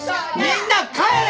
みんな帰れ！